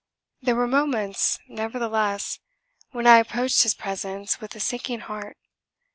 There were moments, nevertheless, when I approached his presence with a sinking heart.